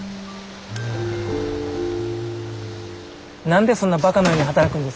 何でそんなバカのように働くんです？